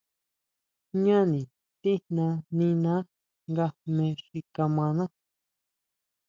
Jñáni tijna niná nga jme xi kjimaná.